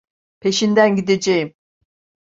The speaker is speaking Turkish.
Peşinden gideceğim.